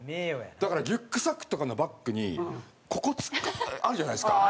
だからリュックサックとかのバッグにここあるじゃないですか。